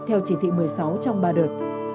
theo chỉ thị một mươi sáu trong ba đợt